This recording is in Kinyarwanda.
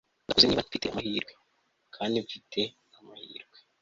ndakuze niba mfite amahirwe. kandi mfite amahirwe